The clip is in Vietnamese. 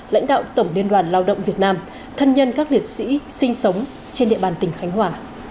lãnh đạo tổng liên đoàn lao động việt nam thân nhân các liệt sĩ sinh sống trên địa bàn tỉnh khánh hòa